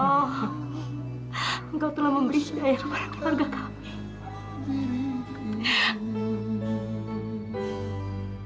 engkau telah memberi si daya kepada keluarga kami